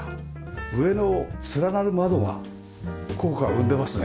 上の連なる窓が効果を生んでますね。